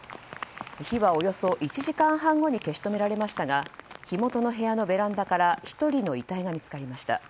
火はおよそ１時間半後に消し止められましたが火元の部屋のベランダから１人の遺体が見つかりました。